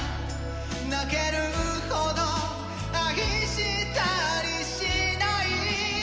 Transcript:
泣けるほど愛したりしない